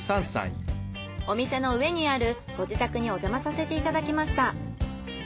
お店の上にあるご自宅におじゃまさせていただきました。